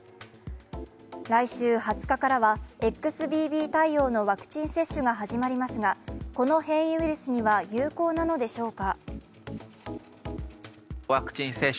来週２０日からはＸＢＢ対応のワクチン接種が始まりますがこの変異ウイルスには有効なのでしょうか。